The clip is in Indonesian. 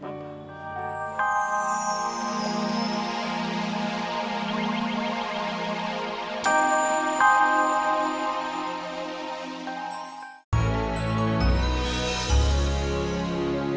mama kangen sama mama